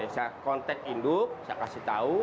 saya kontak induk saya kasih tahu